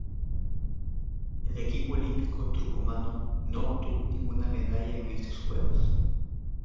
El equipo olímpico turcomano no obtuvo ninguna medalla en estos Juegos.